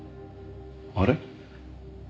あれ？